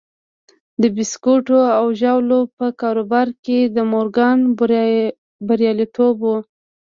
د بيسکويټو او ژاولو په کاروبار کې د مورګان برياليتوب و.